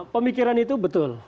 pemikiran itu betul